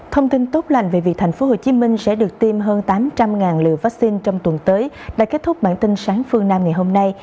thông tin tốt lành về việc tp hcm sẽ được tiêm hơn tám trăm linh liều vaccine trong tuần tới đã kết thúc bản tin sáng phương nam ngày hôm nay